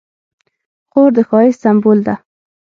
خور د ښایست سمبول ده.